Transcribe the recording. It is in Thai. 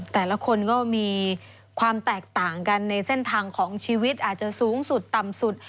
แต่ละคนก็มีความแตกต่างกันในเส้นทางของชีวิตอาจจะสูงสุดต่ำสุด